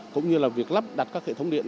cũng như là việc lắp đặt các hệ thống điện